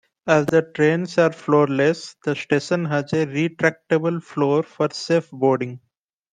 As the trains are floorless, the station has a retractable floor for safe boarding.